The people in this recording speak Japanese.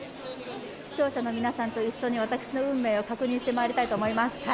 視聴者の皆さんと一緒に私の運命を確認してまいりたいと思います。